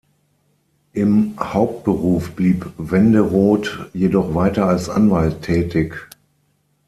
Im Hauptberuf blieb Wenderoth jedoch weiter als Anwalt tätig.